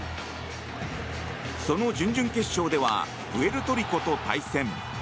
その準々決勝ではプエルトリコと対戦。